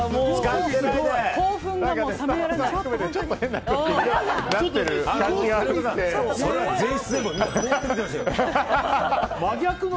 興奮が冷めやらないの。